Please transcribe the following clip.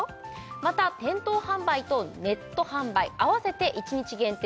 また店頭販売とネット販売合わせて一日限定